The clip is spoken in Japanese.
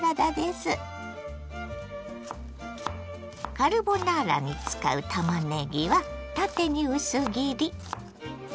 カルボナーラに使うたまねぎは縦に薄切り。